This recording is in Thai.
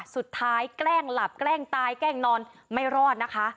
แกล้งหลับแกล้งตายแกล้งนอนไม่รอดนะคะ